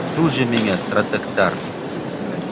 Туже миңә стратегтар!